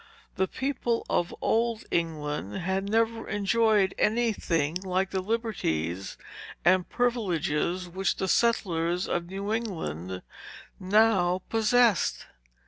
The people of old England had never enjoyed any thing like the liberties and privileges, which the settlers of New England now possessed.